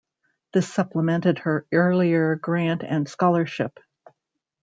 This supplemented her earlier grant and scholarship.